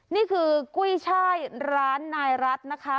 นี่คือกุ้ยช่ายร้านนายรัฐนะคะ